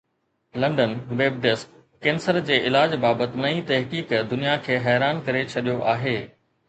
London (web desk) cancer جي علاج بابت نئين تحقيق دنيا کي حيران ڪري ڇڏيو آهي